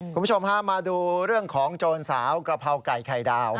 คุณผู้ชมฮะมาดูเรื่องของโจรสาวกะเพราไก่ไข่ดาว